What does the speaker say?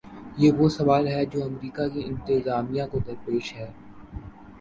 یہ وہ سوال ہے جو امریکہ کی انتظامیہ کو درپیش ہے۔